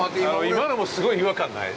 今のも、すごい違和感ない？